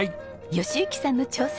喜行さんの挑戦